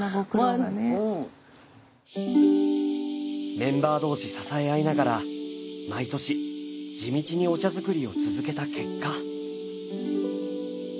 メンバー同士支え合いながら毎年地道にお茶づくりを続けた結果。